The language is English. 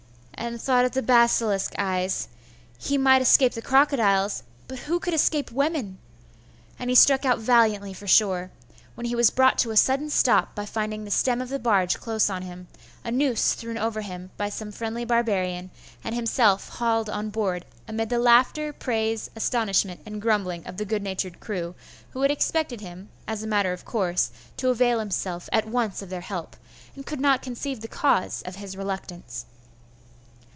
and thought of the basilisk eyes;.... he might escape the crocodiles, but who could escape women?.... and he struck out valiantly for shore.... when he was brought to a sudden stop by finding the stem of the barge close on him, a noose thrown over him by some friendly barbarian, and himself hauled on board, amid the laughter, praise, astonishment, and grumbling of the good natured crew, who had expected him, as a matter of course, to avail himself at once of their help, and could not conceive the cause of his reluctance.